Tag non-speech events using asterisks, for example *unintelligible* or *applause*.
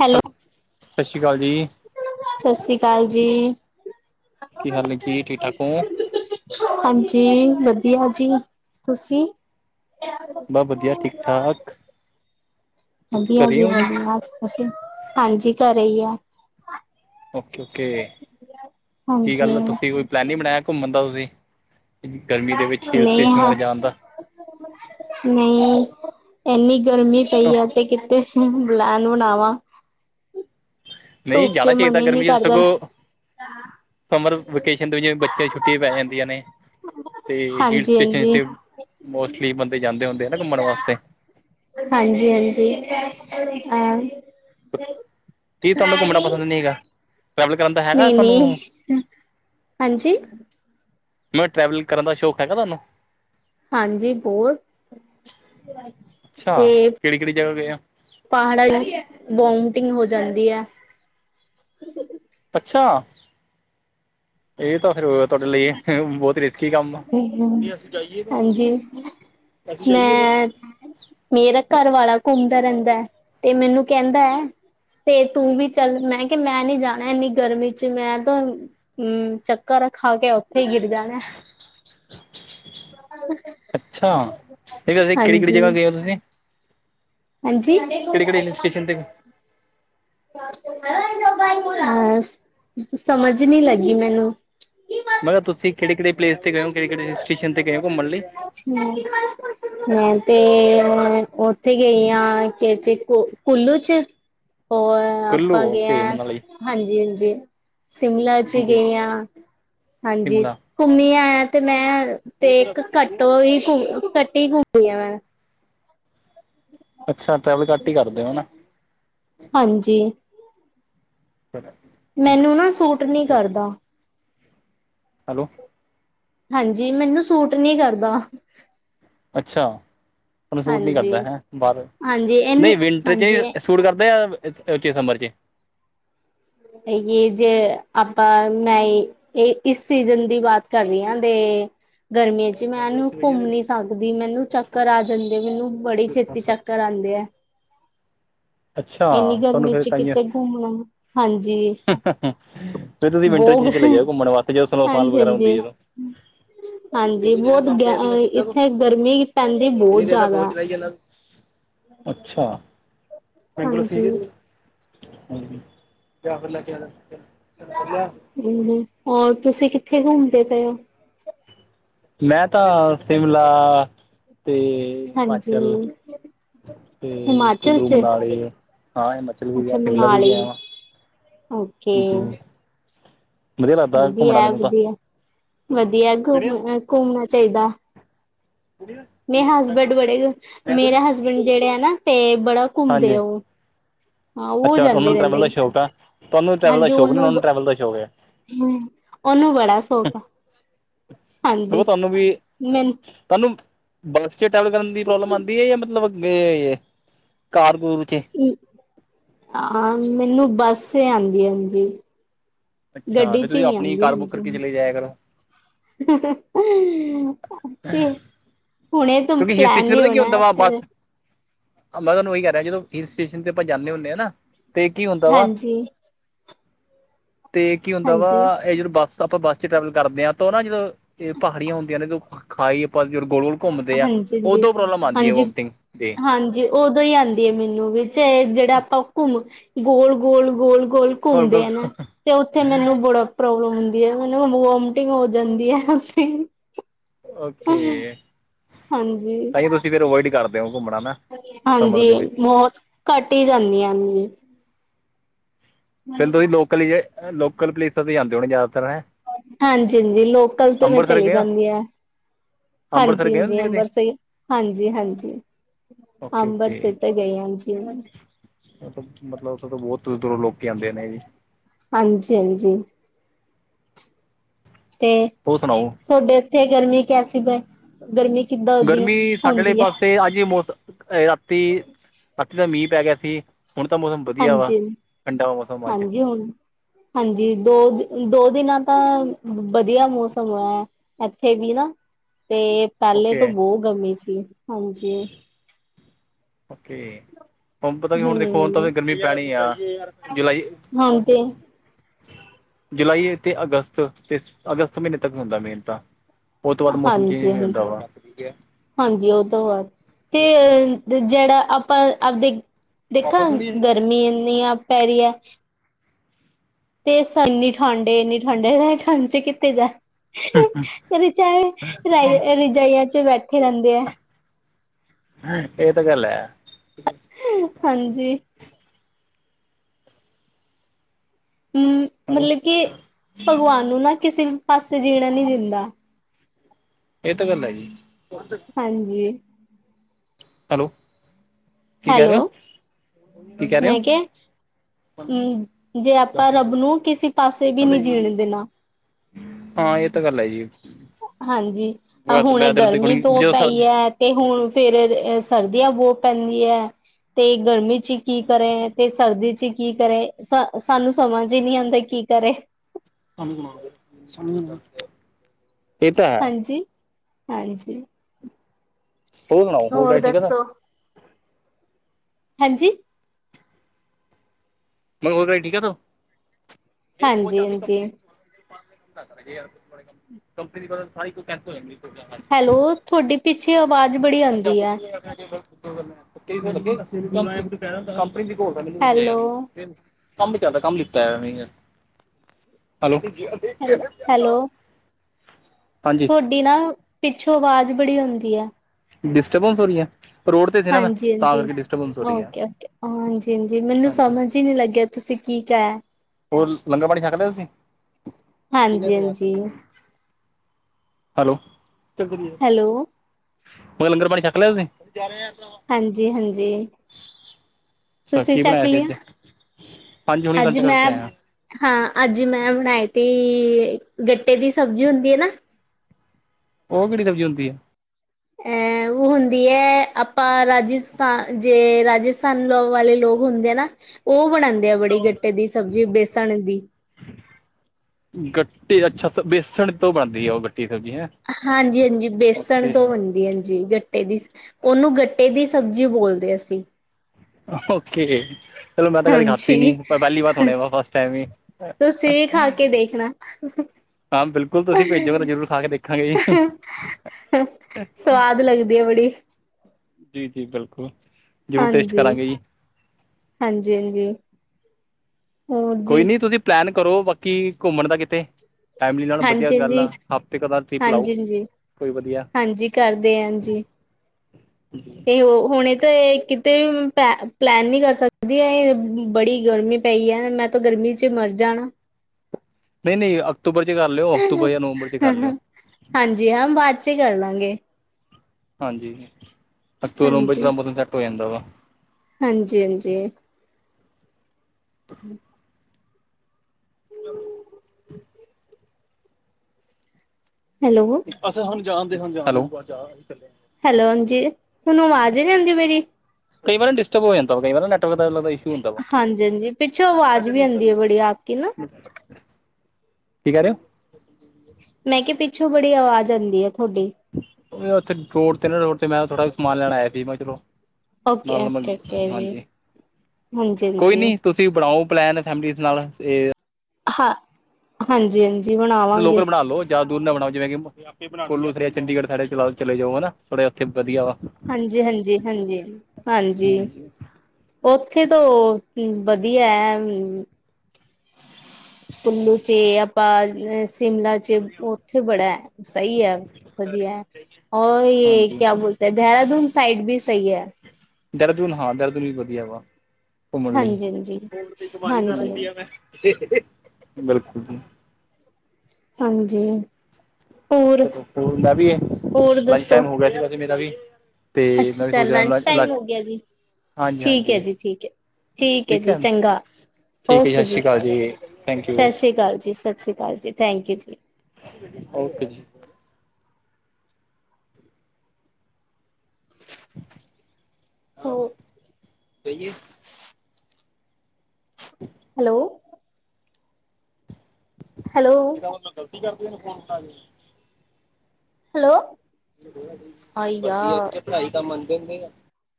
Hello ਸ਼ਸ਼੍ਰੀ ਕਾਲ ਜੀ। ਸਸ੍ਰੀ ਕਾਲ ਜੀ। ਕੀ ਹਾਲ ਨੇ ਜੀ ਠੀਕ ਠਾਕ ਹੋ ਹਾਂਜੀ, ਵਧੀਆ ਜੀ। ਤੁਸੀ? *inaudible* ਬਸ ਵਧੀਆ ਠੀਕ ਠਾਕ ਵਦੀਆ, ਘਰੇ ਹੋ ਜੀ ਵਦੀਆ। ਅਸੀਂ, ਹਾਂਜੀ ਘਰੇ ਹੀ ਆ। Okay, okay. ਕੀ ਹਾਂਜੀ, ਗੱਲ? ਤੁਸੀਂ ਕੋਈ ਪਲੈਨ ਨਹੀਂ ਬਣਾਇਆ ਘੁੰਮਣ ਦਾ ਤੁਸੀਂ? ਗਰਮੀ ਦੇ ਵਿੱਚ ਹਿਲ ਸਟੇਸ਼ਨ ਵਗੈਰਾ ਜਾਣ ਦਾ। ਨਈਂ। ਐਨੀ ਗਰਮੀ ਪਈ ਆ, ਤੇ ਕਿਥੇ ਸ਼ਿਮ ਪਲੈਨ ਬਣਾਵਾਂ? ਨਈਂ, ਧੁੱਪ ਚ ਜਾਣਾ ਮਨ ਚਾਹੀਦੈ ਹੀ ਨੀ ਗਰਮੀਆਂ 'ਚ ਕਰਦਾ, ਸਗੋਂ। ਸਮਰ ਵੇਕੇਸ਼ਨ ਦੇ ਵਿੱਚ ਬੱਚਿਆਂ ਛੁੱਟੀਆਂ ਪੈ ਜਾਂਦੀਆਂ ਨੇ। 'ਤੇ ਹਿਲ ਸਟੇਸ਼ਨ ਹਾਂਜੀ-ਹਾਂਜੀ। 'ਤੇ, ਮੋਸਟਲੀ ਬੰਦੇ ਜਾਂਦੇ ਹੁੰਦੇ ਆ ਨਾ, ਘੁੰਮਣ ਵਾਸਤੇ। ਹਾਂਜੀ -ਹਾਂਜੀ। ਕੀ ਤੁਹਾਨੂੰ ਘੁੰਮਣਾ ਪਸੰਦ ਨਹੀਂ ਹੈਗਾ ਟਰੈਵਲ ਕਰਾਂਦੈ। ਨਹੀਂ -ਨਹੀਂ, ਹਾਂਜੀ। ਨਾ, ਟਰੈਵਲਿੰਗ ਕਰਨ ਦਾ ਸ਼ੌਕ ਹੈਗਾ ਤੈਨੂੰ? ਹਾਂਜੀ, ਬਹੁਤ, ਅੱਛਾ ਤੇਜ। ਕਿਹੜੀ ਕਿਹੜੀ ਜਗ੍ਹਾ ਗਏ ਹੋ ਪਹਾੜਾਂ ਵਿਚ ਵੋਮਟਿੰਗ ਹੋ ਜਾਂਦੀ ਐ। ਅੱਛਾ, ਇਹ ਤਾਂ ਫਿਰ ਤੁਹਾਡੇ ਲਈ ਬਹੁਤ ਹੀ ਰ ਕੀ ਕੰਮ ਆ ਨਹੀਂ ਅਸੀਂ ਜਾਈਏ ਹਾਂਜੀ, ਫੇਰ- ਅਸੀਂ ਜਾਈਏ ਫਿਰ? ਮੈਂ ਮੇਰਾ ਘਰ ਵਾਲਾ ਘੁੰਮਦਾ ਰਹਿੰਦਾ ਹੈ ਤੇ ਮੈਨੂੰ ਕਹਿੰਦਾ ਹੈ ਤੇ ਤੂੰ ਵੀ ਚੱਲ। ਮੈਂ ਕਿਹਾ, ਮੈਂ ਨੀ ਜਾਣਾ ਐਨੀ ਗਰਮੀ 'ਚ। ਮੈਂ ਤਾਂ ਹੂੰ, ਚੱਕਰ ਖਾ ਕੇ ਓਥੇ ਹੀ ਗਿਰ ਜਾਣੈ। ਅੱਛਾ, ਵੈਸੇ ਕਿਹੜੀ - ਕਿਹੜੀ ਹਾਂਜੀ, ਜਗ੍ਹਾ ਗਏ ਓ ਤੁਸੀਂ? ਹਾਂਜੀ। ਕਿਹੜੇ- ਕਿਹੜੇ ਹਿਲ ਸਟੇਸ਼ਨ 'ਤੇ? ਹ ਸਮਝ ਨੀ ਲੱਗੀ ਮੈਨੂੰ। ਮੈਂ ਕਿਹਾ ਤੁਸੀਂ ਕਿਹੜੇ -ਕਿਹੜੇ ਪਲੇਸ ਤੇ ਗਏ ਹੋ? ਕਿਹੜੇ -ਕਿਹੜੇ ਸਟੇਸ਼ਨ ਤੇ ਗਏ ਹੋ ਘੁੰਮਣ ਲਈ? ਆ ਮੈਂ ਤੇ ਉੱਥੇ ਗਈ ਹਾਂ। ਭੂਲੂ ਚ, ਹੋਰ ਕੁੱਲੂ ਆਪਾਂ ਗਏ ਓਕੇ ਆ ਮਨਾਲੀ ਹਾਂਜੀ- ਹਾਂਜੀ ਸ਼ਿਮਲਾ ਚ ਜੀ ਗਈ ਆਂ। ਹਾਂਜੀ, ਸ਼ਿਮਲਾ ਘੁੰਮੀ ਆਇਆ ਤੇ ਮੈਂ ਤੇ ਇੱਕ ਘੱਟੋ ਹੀ ਕੱਟ ਹੀ ਹੂ। ਈਮੇਲ ਆ ਮੈ *unintelligible* ਅੱਛਾ, ਟਰੈਵਲ ਘੱਟ ਹੀ ਕਰਦੇ ਹੋ। ਹਾਂਜੀ। ਚੱਲੋ। ਮੈਨੂੰ ਨਾ ਸੂਟ ਨੀ ਕਰਦਾ। ਹੈਲੋ। ਹਾਂਜੀ, ਮੈਨੂੰ ਸੂਟ ਨੀ ਕਰਦਾ। ਅੱਛਾ, ਤੁਹਾਨੂੰ ਸੂਟ ਨੀ ਹਾਂਜੀ ਕਰਦਾ ਹੈ ਬਾਹਰ, ਹਾਂਜੀ ਇੰਨੀ ਨਹੀਂ ਵਿੰਟਰ ਚ ਹੀ ਹਾਂਜੀ ਸੂਟ ਕਰਦੇ ਆ ਉੱਚੇ ਸੰੰਮਰ ਕੇ। ਹੈ ਜੇ ਆਪਾਂ ਮੈਂ ਇਹ ਇਸ ਸੀਜ਼ਨ ਦੀ ਬਾਤ ਕਰ ਰਹੀ ਹਾਂ ਤੇ ਗਰਮੀਆਂ ਚ ਮੈਂ ਇਹਨੂੰ ਘੁੰਮ ਨੀ ਸਕਦੀ, ਮੈਨੂੰ ਚੱਕਰ ਆ ਜਾਂਦੇ ਮੈਨੂੰ। ਬੜੀ ਛੇਤੀ ਚੱਕਰ ਆਉਂਦੇ ਹੈ। ਅੱਛਾ ਇੰਨੀ ਤੁਹਾਨੂੰ ਗਰਮੀ ਫੇਰ ਚ ਤਾਂਹੀਏ। ਕਿਤੇ ਘੁੰਮਣਾ ਹਾਂਜੀ ਫਿਰ ਤੁਸੀਂ ਵਿਨਟਰ ਬਹੁਤ ' ਚਲੇ ਜਾਓ ਘੁੰਮ ਵਾਸਤੇ, ਜਦੋਂ ਸਨੋਫਾਲ ਵਗੈਰਾ ਹੁੰਦੀ ਹੈ। ਹਮ। ਹਾਂਜੀ ਬਹੁਤ ਗ ਇੱਥੇ ਗਰਮੀ ਪੈਂਦੀ ਬਹੁਤ ਜ਼ਿਆਦਾ। ਅੱਛਾ! ਮੇਂਗੋ ਲੱਸੀ ਹਾਂਜੀ ਹੈਗੀ ਏਦੇ ਕੋਲ? ਲਿਆ ਫੇਰ ਲੇ ਕੇ ਆ। ਹਾਂਜੀ, ਹੋਰ ਤੁਸੀਂ ਕਿੱਥੇ ਘੁੰਮਦੇ ਪਏ ਓ? ਮੈਂ ਤਾਂ ਸਿਮਲਾ ਤੇ ਹਾਂਜੀ ਹਿਮਾਚਲ ਤੇ ਹਿਮਾਚਲ ਕੁੱਲੂ ਚ ਮਨਾਲੀ। ਹਾਂ, ਹਿਮਾਚਲ ਵੀ ਅੱਛਾ ਗਿਆ, ਸਿਮਲਾ ਵੀ ਗਿਆ ਮਨਾਲੀ ਵਾ। ਓਕੇ। ਲੱਗਦਾ ਵਧੀਆ ਘੁੰਮਣਾ ਐ, ਮੈਨੂੰ ਤਾਂ ਵਧੀਆ, ਵਧੀਆ ਐ, ਘੁੰਮਣਾ-ਘੁੰਮਣਾ ਚਾਹੀਦਾ। ਮੇਰੇ ਹਸਬੈਂਡ ਬੜੇ, ਮੇਰੇ ਹਸਬੈਂਡ ਜਿਹੜੇ ਆ ਨਾ, ਤੇ ਬੜਾ ਘੁੰਮਦੇ ਹਾਂਜੀ ਓ। ਅੱਛਾ, ਉਹਨਾਂ ਨੂੰ ਟਰੈਵਲ ਦਾ ਸ਼ੌਕ ਆ, ਤੁਹਾਨੂੰ ਟਰੈਲ ਦਾ ਸ਼ੌਕ ਨੀ, ਉਹਨਾਂ ਨੂੰ ਟਰੈਵਲ ਦਾ ਸ਼ੌਕ ਹੈ। ਹਮ, ਉਹਨੂੰ ਬੜਾ ਸੌਕ ਆ। ਚਲੋ ਹਾਂਜੀ ਤੁਹਾਨੂੰ ਵੀ ਮੈਨੂੰ ਤੁਹਾਨੂੰ ਬੱਸ 'ਚ ਟਰੈਵਲ ਕਰਨ ਦੀ ਪ੍ਰੋਬਲਮ ਆਉਂਦੀ ਹੈ, ਜਾਂ ਮਤਲਬ ਕੇ ਕਰ-ਕੁਰ 'ਚ ਈ? ਆ ਮੈਨੂੰ ਬੱਸ ਤੇ ਆਉਂਦੀ ਆ ਜੀ। ਅੱਛਾ ਗੱਡੀ ਫਿਰ 'ਚ ਤੁਸੀਂ ਨੀ ਆਪਣੀ ਆਉਂਦੀ, ਕਾਰ ਬੁੱਕ ਕਰਕੇ ਹਾਂਜੀ। ਚਲੇ ਜਾਇਆ ਕਰੋ ਹਾਂ-ਹਾਂ, ਹਾਂ, ਤੇ ਹੁਣੇ ਤੁਮ ਕਿਉਂਕਿ ਹਿਲ ਪਲੈਨ ਸਟੇਸ਼ਨ ਨਹੀਂ ਪਤਾ ਕੀ ਹੋਣਾ ਹੁੰਦਾ ਵਾ ਓਥੇ ਬੱਸ ਦੇ। ਮੈਂ ਤੁਹਾਨੂੰ ਓਹੀ ਕਹਿ ਰਿਹਾ, ਜਦੋਂ ਹਿਲ ਸਟੇਸ਼ਨ ਤੇ ਆਪਾਂ ਜਾਂਦੇ ਹੁੰਦੇ ਹਾਂ ਨਾ। ਤੇ ਕੀ ਹੁੰਦਾ ਵਾ ਹਾਂਜੀ। ਤੇ ਕੀ ਹੁੰਦਾ ਵਾ ਹਾਂਜੀ ਏ, ਜਦੋਂ ਬੱਸ ਆਪਾਂ ਬੱਸ ਟਰੈਵਲ ਕਰਦੇ ਹਾਂ, ਤਾਂ ਉਹ ਨਾ, ਜਦੋਂ ਇਹ ਪਹਾੜੀਆਂ ਹੁੰਦੀਆਂ ਨੇ, ਜਦੋਂ ਖ--ਖਾਈ ਆਪਾਂ, ਜਦੋਂ ਗੋਲ-ਗੋਲ ਘੁੰਮਦੇ ਆ। ਜੀ, ਉਦੋਂ ਪ੍ਰੋਬਲਮ ਆਉਂਦੀ ਹੈ ਹਾਂਜੀ, ਵੋਮਟਿੰਗ ਦੀ ਹਾਂਜੀ। ਓਦੋਂ ਈ ਆਂਦੀ ਏ ਮੈਨੂੰ ਵੀ, ਚੇ ਜਿਹੜਾ ਆਪਾਂ ਘੁੰਮ ਗੋਲ-ਗੋਲ ਗੋਲ-ਗੋਲ ਗੋਲ ਘੁੰਮਦੇ ਐ ਗੋਲ ਨਾ, ਤੇ ਉੱਥੇ ਮੈਨੂੰ ਬੜਾ ਪ੍ਰੋਬਲਮ ਹੁੰਦੀ ਐ, ਮੈਨੂੰ ਵੋਮਟਿੰਗ ਹੋ ਜਾਂਦੀ ਐ ਉੱਥੀ। ਓਕੇ, ਹਾਂਜੀ ਤਾਂਈਓ ਤੁਸੀਂ ਫੇਰ ਅਵੋਇਡ ਕਰਦੇ ਓ ਘੁੰਮਣਾ ਨਾ। ਸਮਰ ਹਾਂਜੀ, ਦੇ ਵਿੱਚ ਬਹੁਤ ਘੱਟ ਈ ਜਾਂਦੀ ਆ। ਫੇਰ ਤੁਸੀਂ ਲੋਕਲ ਜੇ, ਲੋਕਲ ਪੇਲੇਸਾ ਤੇ ਈ ਜਾਂਂਦੇ ਹੋਣੇ ਜ਼ਿਆਦਾਤਰ, ਹੈਂ? ਹਾਂਜੀ-ਹਾਂਜੀ, ਲੋਕਲ ਤੇ ਮੈਂ ਚਲੀ ਗਏ ਹੋ ਜਾਂਦੀ ਆਂ। ਅੰਮ੍ਰਿਤਸਰ ਗਏ ਹੋ ਹਾਂਜੀ-ਹਾਂਜੀ, ਤੁਸੀਂ ਕਦੇ ਅੰਬਰਸਰ, ਹਾਂਜੀ-ਹਾਂਜੀ। ਓਕੇ ਓਕੇ ਅੰਬਰਸਰ ਤਾਂ ਗਈ ਆ, ਹਾਂਜੀ। ਮਤਲਬ ਮਤਲਬ ਉੱਥੋਂ ਤਾਂ ਬਹੁਤ ਦੂਰ ਦੂਰੋਂ ਲੋਕ ਆਉਂਦੇ ਨੇ ਜੀ ਹਾਂਜੀ-ਹਾਂਜੀ। ਤੇ ਹੋਰ ਸੁਣਾਓ? ਥੋਡੇ ਉੱਥੇ ਗਰਮੀ ਕੈਸੀ ਬੈ? ਗਰਮੀ ਕਿੱਦਾਂ? ਗਰਮੀ ਸਾਡੇ ਆਲੇ ਹੈ ਪਾਸੇ ਅੱਜ ਮੋਸ--ਰਾਤੀ, ਰਾਤੀ ਤਾਂ ਮੀਂਹ ਪੈ ਗਿਆ ਸੀ। ਹੁਣ ਤਾਂ ਮੌਸਮ ਵਦੀਆ ਵਾ, ਹਾਂਜੀ ਠੰਡਾ ਮੌਸਮ ਅੱਜ। ਹਾਂਜੀ ਹੁਣ ਹਾਂਜੀ, ਦੋ ਦੀ ਦੋ ਦਿਨਾਂ ਦਾ ਵਦੀਆ ਮੌਸਮ ਹੋਇਆ। ਇੱਥੇ ਵੀ ਨਾ, ਤੇ ਪਹਿਲੇ ਤੋਂ ਓਕੇ ਬੋਅ ਗਰਮੀ ਸੀ, ਹਾਂਜੀ। ਓਕੇ। ਹੁਣ ਪਤਾ ਕੀ ਹੁਣ ਦੇਖੋ ਹੁਣ ਤਾਂ ਹਮ ਓਥੇ ਗਰਮੀ ਪੈਣੀ ਆ, ਜੁਲਾਈ ਹੁਣ ਤੇ ਜੁਲਾਈ ਅਤੇ ਅਗਸਤ ਤੇ ਅਗਸਤ ਮਹੀਨੇ ਤੱਕ ਹੁੰਦਾ, ਮੇਨ ਤਾਂ। ਉਹ ਤੋਂ ਬਾਅਦ ਮੌਸਮ ਚੇਂਜ ਹੋ ਜਾਂਦਾ ਹਾਂਜੀ-ਹਾਂਜੀ, ਵਾ ਹਾਂਜੀ ਉੱਤੋਂ ਬਾਦ ਤੇ ਤੇ ਜੇੜਾ ਆਪਾਂ ਆਪਦੇ, ਦੇਖਾਂ ਗਰਮੀ ਇੰਨੀ ਆ ਪੈ ਰਈ ਐ। ਤੇ ਸਾ ਇੰਨੀ ਠੰਡ ਏ ਇੰਨੀ ਠੰਡ ਏ, ਤੇ ਠੰਡ ਚ ਕਿੱਥੇ ਜਾ ਉਹਦੇ ਚ ਆ ਰਜਾਈਆਂ ਚ ਬੈਠੇ ਰਹਿੰਦੇ ਐ। ਹੈ ਏ ਤਾਂ ਗੱਲ ਐ। ਹਾਂਜੀ। ਹੂੰ ਹੈਲੋ ਮਤਲਬ ਕਿ, ਭਗਵਾਨ ਨੂੰ ਨਾ ਕਿਸੇ ਵੀ ਪਾਸੇ ਜੀਣਾ ਨਹੀਂ ਦਿੰਦਾ। ਏ ਤਾਂ ਗੱਲ ਐ ਜੀ ਵੱਧ। ਹਾਂਜੀ। ਹੈਲੋ ਕੀ ਕਹਿ ਰਏ ਓ? ਹੈਲੋ ਮੈਂ ਕਿਆ ਹੂੰ, ਜੇ ਆਪਾਂ ਰੱਬ ਨੂੰ ਕਿਸੀ ਪਾਸੇ ਵੀ ਨੀ ਹੈਲੋ ਜੀਣ ਦੇਣਾ। ਹਾਂ ਏ ਤਾਂ ਗੱਲ ਐ ਜੀ। ਹਾਂਜੀ, ਆ ਹੁਣ ਏ ਵੈਦਰ ਦੇ ਗਰਮੀ ਕੋਲ ਦੋ ਜਦੋਂ ਪਈ ਸਰਦੀ ਐ ਤੇ ਹੁਣ ਫਿਰ ਅ ਸਰਦੀਆਂ ਬਹੁਤ ਪੈਂਦੀ ਐ ਤੇ ਗਰਮੀ ਚ ਕੀ ਕਰੇ ਤੇ ਸਰਦੀ ਚ ਕੀ ਕਰੇ ਸ ਸਾਨੂੰ ਸਮਝ ਈ ਨਹੀਂ ਆਂਦਾ ਕੀ ਕਰੇ। ਕਮਜ਼ੋਰੀ ਸਮਝ ਗਿਆ ਹਾਂਜੀ-ਹਾਂਜੀ। ਹੋਰ ਸਣਾਓ ਹੋਰ ਘਰੇ ਠੀਕ ਆ? ਦੱਸੋ ਹਾਂਜੀ ਮਨੋਜ ਆਏ ਠੀਕ ਆ ਜਾ ਕੋਚ ਹਾਂਜੀ, ਆਂਦੀ ਹਾਂਜੀ। ਕੰਪਨੀ *unintelligible* ਕੰਪਨੀ *unintelligible* ਯਾਰ ਹੈਲੋ, ਤੁਹਾਡੇ ਪਿੱਛੇ ਆਵਾਜ਼ ਬੜੀ ਸਮਝਾ ਆਂਦੀ ਐ? ਹੈਲੋ, *unintelligible* ਕੰਮ ਈ ਚੱਲਦਾ ਕੰਮ ਲਿਤਾ ਇਹਨਾਂ ਨੇ ਹੈਲੋ ਹੈਲ ਹੈਲੋ, ਹਾਂਜੀ ਤ ਵੀ ਨਾ ਪਿੱਛੋਂ ਆਵਾਜ਼ ਬੜੀ ਆਂਦੀ ਐ। ਡਿਸਟਰਬੈਂਸ ਹੋ ਰਹੀ ਰੋਡ ਤੇ ਸੀ ਨਾ ਮੈਂ ਹਾਂਜੀ ਤਾਂ ਹਾਂਜੀ ਕਰਕੇ ਡਿਸਟਰਬੈਂਸ ਹੋ ਰਹੀ ਹੈ ਓਕੇ ਓਕੇ ਹਾਂਜੀ ਹਾਂਜੀ ਮੈਨੂੰ ਹਾਂਜੀ ਸਮਝ ਹੀ ਨੀ ਲੱਗਿਆ ਤੁਸੀਂ ਕੀ ਕਹਿ। ਹੋਰ ਲੰਗਰ ਪਾਣੀ ਛੱਕ ਲਿਆ ਤੁਸੀਂ ਕਿੰਨੇ। ਹਾਂਜੀ, ਹਾਂਜੀ। *unintelligible* ਹੈਲੋ ਸ਼ੁਕਰੀਆ ਹੈਲੋ ਲੰਗਰ ਪਾਣੀ ਛੱਕ ਲਿਆ ਤੁਸੀਂ। ਜਾ ਰਹੇ ਹਾਂਜੀ ਹਾਂਜੀ ਅੱਛਾ ਤੁਸੀਂ ਕੀ ਛੱਕ ਬਣਾਇਆ ਸੀ ਲਿਆ ਅੱਜ ਹਾਂਜੀ ਹੁਣੀ ਅੱਜ ਲੰਚ ਕਰਕੇ ਮੈਂ ਆਇਆ ਹਾਂ ਅੱਜ ਮੈਂ ਬਣਾਏ ਤੇ ਗੱਟੇ ਦੀ ਸਬਜ਼ੀ ਹੁੰਦੀ ਹੈ ਨਾ ਉਹ ਕਿਹੜੀ ਸਬਜ਼ੀ ਹੁੰਦੀ ਹੈ। ਐ ਉਹ ਹੁੰਦੀ ਹੈ ਆਪਾਂ ਰਾਜਸਥਾਨ ਜੇ ਰਾਜਸਥਾਨ ਲੋ ਵਾਲੇ ਲੋਕ ਹੁੰਦੇ ਆ ਨਾ ਉਹ ਬਣਾਉਂਦੇ ਆ ਬੜੀ ਗੱਟੇ ਦੀ ਸਬਜ਼ੀ ਬੇਸਣ ਦੀ ਗੱਟੇ ਅੱਛਾ ਸ ਬਸ ਹਾਂਜੀ ਹਾਂਜੀ ਬੇਸਣ ਓਕੇ ਤੋਂ ਬਣਦੀ ਹਾਂਜੀ ਗੱਟੇ ਦੀ ਉਹਨੂੰ ਗੱਟੇ ਦੀ ਸਬਜ਼ੀ ਬੋਲਦੇ ਆ ਅਸੀਂ ਓਕੇ ਚਲੋ ਮੈਂ ਤਾਂ ਕਦੇ ਖਾਤੀ ਹਾਂਜੀ ਨੀ ਪਹਿਲੀ ਵਾਰ ਸੁਣ ਵੇ ਫਸਟ ਟੈਮ ਹੀ ਤੁਸੀਂ ਵੀ ਖਾ ਕੇ ਦੇਖਣਾ ਹਾਂ ਬਿਲਕੁਲ ਤੁਸੀਂ ਭੇਜੋਗੇ ਤਾਂ ਜ਼ਰੂਰ ਖਾ ਕੇ ਦੇਖਾਂਗੇ ਜੀ ਸਵਾਦ ਲੱਗਦੀ ਐ ਬੜੀ ਜੀ, ਜੀ ਬਿਲਕੁਲ ਜ਼ਰੂਰ ਟੇਸਟ ਹਾਂਜੀ, ਕਰਾਂਗੇ ਜੀ ਹਾਂਜੀ, ਹਾਂਜੀ ਹੋਰ ਕੋਈ ਜੀ ਨਹੀਂ ਤੁਸੀਂ ਪਲੈਨ ਕਰੋ ਬਾਕੀ ਘੁੰਮਣ ਦਾ ਕਿਤੇ ਫੈਮਲੀ ਨਾਲ ਵਧੀਆ ਹਾਂਜੀ ਗੱਲ ਹਾਂਜੀ ਆ ਹਫ਼ਤੇ ਕ ਦਾ ਟ੍ਰਿਪ ਲਾਓ ਹਾਂਜੀ ਹਾਂਜੀ ਕੋਈ ਵਧੀਆ ਹਾਂਜੀ ਕਰਦੇ ਆ ਹਾਂਜੀ *unintelligible* ਉਹ ਹੁਣੇ ਤਾਂ ਇਹ ਕਿਤੇ ਵੀ ਪ ਪਲੈਨ ਨਹੀਂ ਕਰ ਸਕਦੀ ਇਹ ਬ ਬੜੀ ਗਰਮੀ ਪਈ ਆ ਮੈਂ ਤੋਂ ਗਰਮੀ ਚ ਮਰ ਜਾਣਾ ਨਈ, ਨਈ ਅਕਤੂਬਰ ਚ ਕਰ ਲਓ ਅਕਤੂਬਰ ਜਾਂ ਨਵੰਬਰ ਚ ਕਰ ਲਿਓ ਹਾਂਜੀ ਹਮ ਬਾਦ ਚ ਕਰ ਲਾਂਗੇ ਹਾਂਜੀ ਅਕਤੂਬਰ, ਨਵੰਬਰ ਚ ਤਾਂ ਮੌਸਮ ਸੱਟ ਹੋ ਜਾਂਦਾ ਵਾ ਹਾਂਜੀ-ਹਾਂਜੀ *inaudible* *unintelligible* ਹੈਲੋ ਅਸੀਂ ਹੁਣ ਜਾਣਦੇ ਹੁਣ ਜਾਣਦੇ, ਹੈਲੋ ਹੈਲੋ ਹਾਂਜੀ ਤੁਹਾਨੂੰ ਅਵਾਜ਼ ਨਹੀਂ ਆਂਦੀ ਮੇਰੀ ਕਈ ਵਾਰ ਡਿਸਟਰਬ ਹੋ ਜਾਂਦਾ ਕਈ ਵਾਰ ਨੈਟਵਰਕ ਦਾ ਲੱਗਦਾ ਇ ਹਾਂਜੀ, ਹਾਂਜੀ ਪਿੱਛੋਂ ਆਵਾਜ਼ ਵੀ ਆਂਦੀ ਐ ਬੜੀ ਆਪ ਕੀ ਨਾ *inaudible* ਕੀ ਕਹਿ ਰਹੇ ਹੋ ਮੈਂ ਕਿਹਾ ਪਿੱਛੋਂ ਬੜੀ ਅਵਾਜ਼ ਆਂਦੀ ਐ ਤੁਹਾਡੀ ਮੈਂ ਉੱਥੇ ਰੋਡ ਤੇ ਨਾ ਰੋਡ ਤੇ ਮੈਂ ਥੋੜ੍ਹਾ ਸਮਾਨ ਲੈਣ ਆਇਆ ਸੀ ਮੈਂ ਚਲੋ ਓਕੇ ਓਕੇ ਓਕੇ ਜੀ ਹਾਂਜੀ, ਹਾਂਜੀ ਕੋਈ ਹਾਂਜੀ ਨੀ ਤੁਸੀਂ ਬਣਾਓ ਪਲੈਨ ਫੈਮਲੀਜ ਨਾਲ ਤੇ ਹਾਂ, ਹਾਂਜੀ ਹਾ ਲੋਕਲ ਬਣਾ ਲਓ ਜਿਆਦਾ ਦੂਰ ਨਾ ਬਣਾਓ ਜਿਵੇਂ ਕਿ ਕੁੱਲੂ ਸੈ ਚੰਡੀਗੜ੍ਹ ਸੈਡ ਚ ਚਲੇ ਜਾਓ ਹਨਾ ਥੋੜਾ ਉੱਥੇ ਵਧੀਆ ਵਾ ਹਾਂਜੀ ਹਾਂਜੀ ਹਾਂਜੀ ਹਾਂਜੀ ਉੱਥੇ ਤੋਂ ਅ ਵਧੀਆ ਐ ਕੁੱਲੂ ਚ ਆਪਾਂ ਅ ਸ਼ਿਮਲਾ ਚ ਉੱਥੇ ਬੜਾ ਸਹੀ ਐ ਵਧੀਆ ਔਰ ਇਹ ਹਾਂਜੀ ਕਿਆ ਬੋਲ ਤੇ ਦੇਹਰਾਦੂਨ ਸਾਈਡ ਵੀ ਸਹੀ ਐ ਦੇਹਰਾਦੂਨ ਹਾਂ ਦੇਹਰਾਦੂਨ ਵੀ ਵਧੀਆ ਵਾ, ਘੁੰਮਣ ਲਈ ਹਾਂਜੀ ਹਾਂਜੀ ਹਾਂਜੀ ਬਿਲਕੁਲ ਜੀ ਹਾਂਜੀ ਹੋਰ ਮੈਂ ਵੀ ਹੋਰ ਲੰਚ ਦੱਸੋ ਟਾਈਮ ਹੋ ਗਿਆ ਸੀ ਵੈਸੇ ਮੇਰਾ ਵੀ ਤੇ ਅੱਛਾ ਮੈਂ ਵੀ ਅੱਛਾ ਸੋਚ ਰਿਹਾ ਲ ਟਾਈਮ ਲੰਚ ਹੋ ਗਿਆ ਜੀ ਹਾਂਜੀ ਠੀਕ ਐ ਹਾਂਜੀ ਜੀ, ਠੀਕ ਐ ਠੀਕ ਐ ਜੀ, ਚੰਗਾ ਠੀਕ ਹੈ ਓਕੇ ਸਤਿ ਸ਼੍ਰੀ ਜੀ ਅਕਾਲ ਥੈਂਕ ਯੂ ਸਤਿ ਸ਼੍ਰੀ ਅਕਾਲ ਜੀ ਸਤਿ ਸ਼੍ਰੀ ਅਕਾਲ ਜੀ ਥੈਂਕ ਯੂ ਜੀ ਓਕੇ ਜੀ। ਹਾਂ ਹੋ ਕਹੀਏ। *inaudible* ਹੈਲੋ। ਹੈਲੋ। ਕਆ ਓਹਨਾ ਗ਼ਲਤੀ ਕਰਤੀ ਏਨੁ ਫੋਨ ਲਾ ਕੇ। ਹੈਲੋ। ਆ ਵੱਡੀ ਅੱਜ ਯਾਰ ਤੇ ਪੜ੍ਹਾਈ ਤਾਂ ਮੰਨ ਦੇਦੇ ਆ।